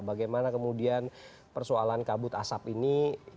bagaimana kemudian persoalan kabut asap ini